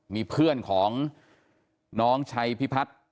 มีเพื่อนของน้องชัยพิพัฒน์